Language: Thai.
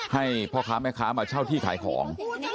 ให้พ่อค้าแม่ค้ามาเช่าที่ขายของ